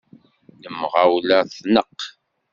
Lemɣawla tneqq.